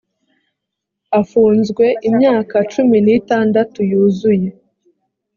afunzwe imyaka cumi n’itandatu yuzuye